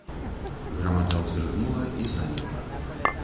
Грамада ўздрыгнула і замерла.